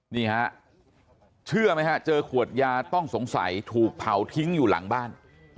นี่ฮะเชื่อไหมฮะเจอขวดยาต้องสงสัยถูกเผาทิ้งอยู่หลังบ้าน